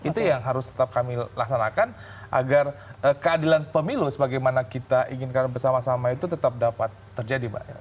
itu yang harus tetap kami laksanakan agar keadilan pemilu sebagaimana kita inginkan bersama sama itu tetap dapat terjadi mbak